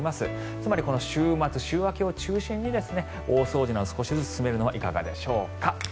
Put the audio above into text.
つまりこの週末、週明けを中心に大掃除など少しずつ進めるのはいかがでしょうか。